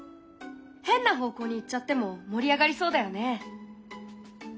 変な方向に行っちゃっても盛り上がりそうだよね。